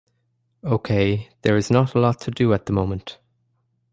Okay, there is not a lot to do at the moment.